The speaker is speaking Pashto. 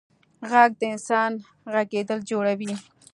غږ د انسان غږېدل جوړوي.